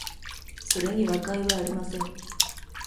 それに和解はありません。